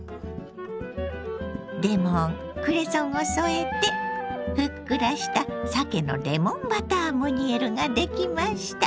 レモンクレソンを添えてふっくらしたさけのレモンバタームニエルができました。